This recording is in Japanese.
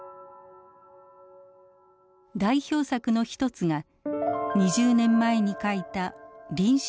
代表作の一つが２０年前に書いた「臨死体験」です。